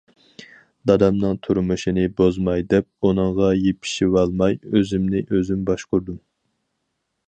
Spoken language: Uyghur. دادامنىڭ تۇرمۇشىنى بۇزماي دەپ ئۇنىڭغا يېپىشىۋالماي ئۆزۈمنى ئۆزۈم باشقۇردۇم.